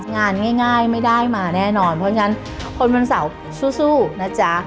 งานง่ายไม่ได้มาแน่นอนเพราะฉะนั้นคนวันเสาร์สู้นะจ๊ะ